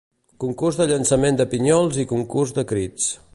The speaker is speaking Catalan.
Concurs de llançament de pinyols i Concurs de Crits.